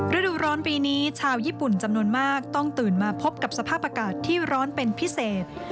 ฤดูร้อนปีนี้ชาวญี่ปุ่นจำนวนมากต้องตื่นมาพบกับสภาพอากาศที่ร้อนเป็นพิเศษ